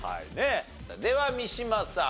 では三島さん。